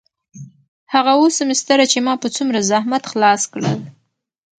هغه اووه سمستره چې ما په څومره زحمت خلاص کړل.